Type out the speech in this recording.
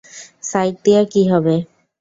Site দিয়া কী হবে?